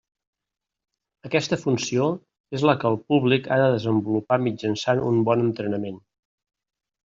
Aquesta funció és la que el públic ha de desenvolupar mitjançant un bon entrenament.